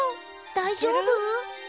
大丈夫？